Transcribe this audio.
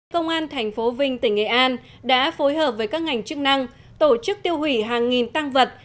công an tp vinh tỉnh nghệ an đã phối hợp với các ngành chức năng tổ chức tiêu hủy hàng nghìn tăng vật